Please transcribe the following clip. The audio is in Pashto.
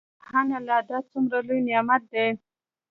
سبحان الله دا څومره لوى نعمت دى.